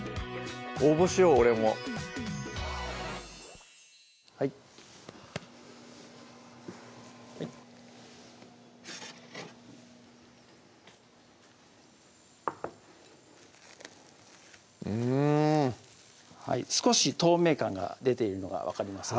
応募しよう俺もはいうんはい少し透明感が出ているのが分かりますか？